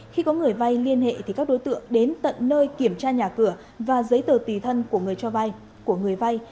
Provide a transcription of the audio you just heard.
khi có người vay liên hệ thì các đối tượng đến tận nơi kiểm tra nhà cửa và giấy tờ tì thân của người vay